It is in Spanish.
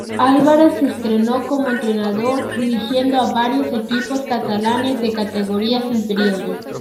Álvarez se estrenó como entrenador dirigiendo a varios equipos catalanes de categorías inferiores.